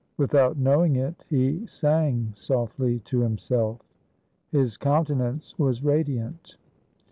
Without knowing it, he sang softly to himself. His countenance was radiant.